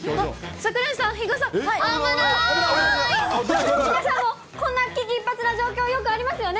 櫻井さん、櫻井さんも、こんな危機一髪な状況、よくありますよね？